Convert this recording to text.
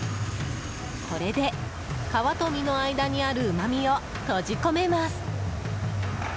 これで、皮と身の間にあるうまみを閉じ込めます。